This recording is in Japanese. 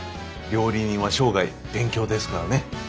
料理人は生涯勉強ですからね。